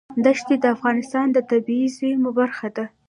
دښتې د افغانستان د طبیعي زیرمو برخه ده.